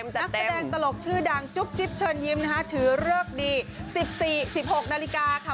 นักแสดงตลกชื่อดังจุ๊บจิ๊บเชิญยิ้มนะคะถือเลิกดี๑๔๑๖นาฬิกาค่ะ